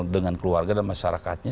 dengan keluarga dan masyarakatnya